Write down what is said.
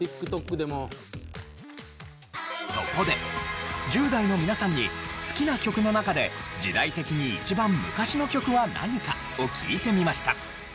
そこで１０代の皆さんに好きな曲の中で時代的に一番昔の曲は何かを聞いてみました。